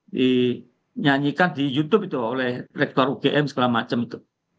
dinyanyikan di youtube itu oleh rektor ugm segala macam itu